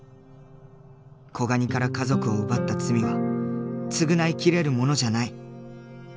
子ガニから家族を奪った罪は償いきれるものじゃない。